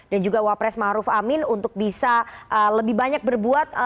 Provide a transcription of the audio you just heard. dan juga wapres maruf amin untuk bisa lebih banyak berbuat